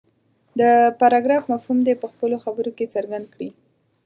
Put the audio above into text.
د پراګراف مفهوم دې په خپلو خبرو کې څرګند کړي.